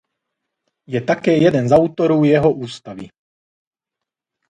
Je také jeden z autorů jeho ústavy.